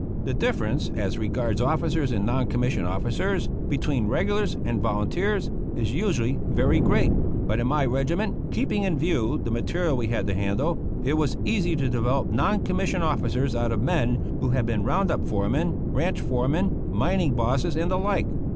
The difference as regards officers and non commissioned officers, between regulars and volunteers, is usually very great; but in my regiment (keeping in view the material we had to handle), it was easy to develop non commissioned officers out of men who had been round up foremen, ranch foremen, mining bosses, and the like.